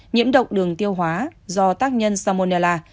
nhiễm độc đường tiêu hóa do tác nhân salmonella